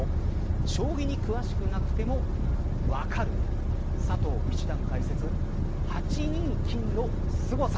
将棋に詳しくなくても分かる佐藤七段解説８二金のスゴさ。